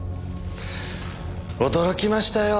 驚きましたよ。